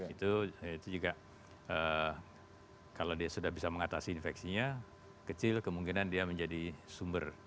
itu juga kalau dia sudah bisa mengatasi infeksinya kecil kemungkinan dia menjadi sumber